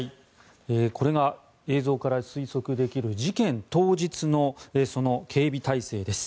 これが映像から推測できる、事件当日の警備体制です。